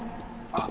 あっ